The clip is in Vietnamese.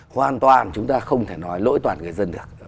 hoàn toàn chúng ta không thể nói lỗi toàn người dân được